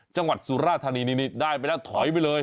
จังหวัดสุราธานีนิดได้ไปแล้วถอยไปเลย